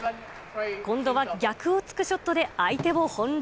今度は逆をつくショットで相手を翻弄。